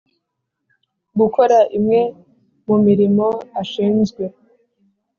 Gukora imwe mu mirimo ashinzwe